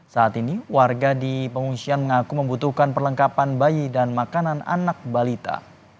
saat ini warga di pengungsian mengaku membutuhkan perlengkapan bayi dan makanan anak balita